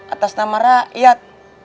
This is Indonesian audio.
atas nama rakyat